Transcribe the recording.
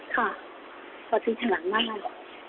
ค่ะอธิษฐานมานาน